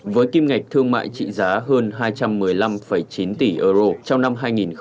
với kim ngạch thương mại trị giá hơn hai trăm một mươi năm chín tỷ euro trong năm hai nghìn hai mươi